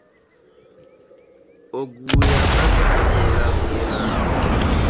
O guuya ka zaɣisi labbu na.